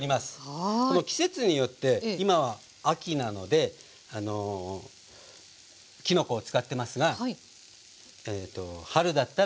季節によって今は秋なのできのこを使ってますが春だったら山菜や竹の子。